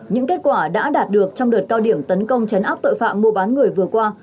những kết quả đã đạt được trong đợt cao điểm tấn công chấn áp tội phạm mua bán người vừa qua